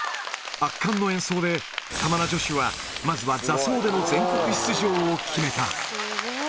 圧巻の演奏で、玉名女子はまずは座奏での全国出場を決めた。